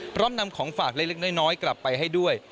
พร้อมนำของฝากเล็กน้อยกลับไปให้ด้วย